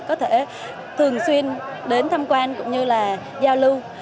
có thể thường xuyên đến tham quan cũng như là giao lưu